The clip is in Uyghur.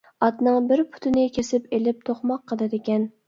ئاتنىڭ بىر پۇتىنى كېسىپ ئېلىپ توقماق قىلىدىكەن.